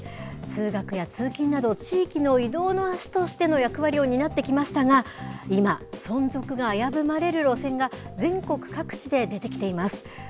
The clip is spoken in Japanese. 通学や通勤など、地域の移動の足としての役割を担ってきましたが、今、存続が危ぶまれる路線が全国各地で出てきています。